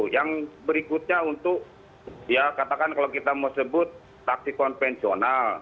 yang berikutnya untuk ya katakan kalau kita mau sebut taksi konvensional